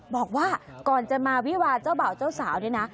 บอกว่าก่อนจะมาวิวาเจ้าบ่าวเจ้าสาวนี่นะ